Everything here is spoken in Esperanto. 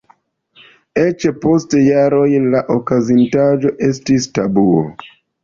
Eĉ, post jaroj la okazintaĵo estis tabuo.